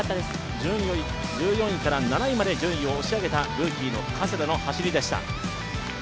順位を１４位から７位まで押し上げたルーキーの加世田の走りでした。